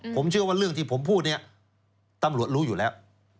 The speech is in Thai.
ผมเชื่อว่าเรื่องที่ผมพูดเนี่ยตำรวจรู้อยู่แล้ว